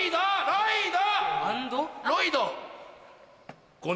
ロイド！